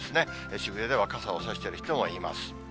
渋谷では傘を差してる人もいます。